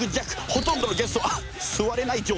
ほとんどのゲストが座れない状態。